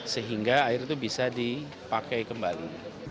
sehingga air itu bisa dipakai kembali